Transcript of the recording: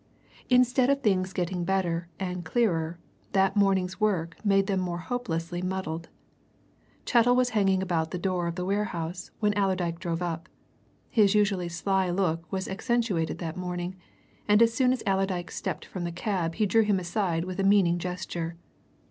Instead of things getting better and clearer, that morning's work made them more hopelessly muddled. Chettle was hanging about the door of the warehouse when Allerdyke drove up. His usually sly look was accentuated that morning, and as soon as Allerdyke stepped from his cab he drew him aside with a meaning gesture.